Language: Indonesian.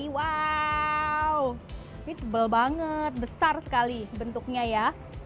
wow ini tebal banget besar sekali bentuknya ya